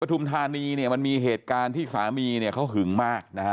ปฐุมธานีมีเหตุการณ์ที่สามีเขาหึงมาก